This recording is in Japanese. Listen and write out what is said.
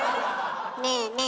ねえねえ